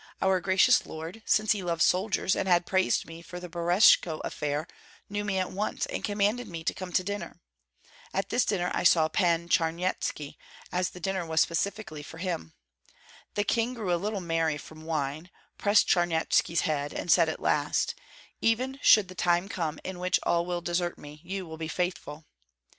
Our gracious lord, since he loves soldiers and had praised me for the Berestechko affair, knew me at once and commanded me to come to dinner. At this dinner I saw Pan Charnyetski, as the dinner was specially for him. The king grew a little merry from wine, pressed Charnyetski's head, and said at last: 'Even should the time come in which all will desert me, you will be faithful.'